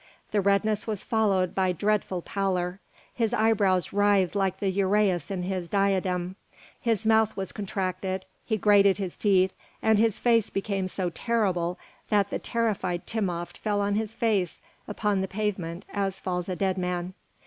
The redness was followed by dreadful pallor; his eyebrows writhed like the uræus in his diadem, his mouth was contracted, he grated his teeth, and his face became so terrible that the terrified Timopht fell on his face upon the pavement as falls a dead man.